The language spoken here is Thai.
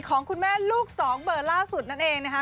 ของคุณแม่ลูกสองเบอร์ล่าสุดนั่นเองนะคะ